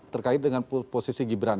terkait dengan posisi gibran